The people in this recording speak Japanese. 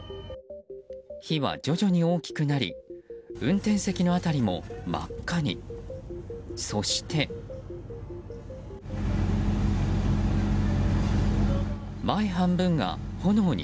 火は徐々に大きくなり運転席の辺りも真っ赤に。